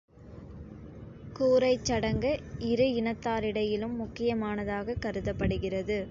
கூறைச் சடங்கு, இரு இனத்தாரிடையிலும் முக்கிய மானதாகக் கருதப்படுகிறது.